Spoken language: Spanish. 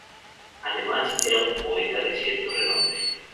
Además, era un poeta de cierto renombre.